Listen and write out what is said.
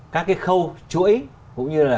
các cái khâu chuỗi cũng như là